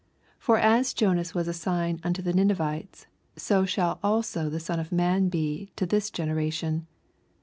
30 For as Jonas was a sign unto the Ninevites, so shall also the Son of man be to this generation.